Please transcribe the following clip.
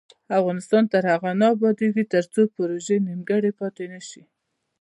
افغانستان تر هغو نه ابادیږي، ترڅو پروژې نیمګړې پاتې نشي.